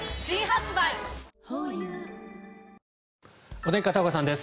お天気、片岡さんです。